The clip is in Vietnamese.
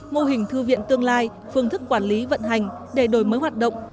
mô hình thư viện tương lai phương thức quản lý vận hành để đổi mới hoạt động